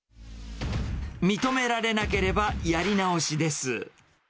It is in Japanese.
認められなければ、やり直しです。